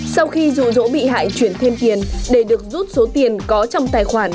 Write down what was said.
sau khi dụ dỗ bị hại chuyển thêm tiền để được rút số tiền có trong tài khoản